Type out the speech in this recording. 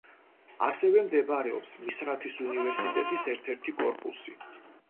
ასევე მდებარეობს მისრათის უნივერსიტეტის ერთ-ერთი კორპუსი.